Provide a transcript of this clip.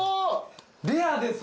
レアです